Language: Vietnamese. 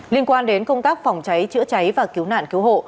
liên quan đến công tác phòng cháy chữa cháy và cứu nạn cứu hộ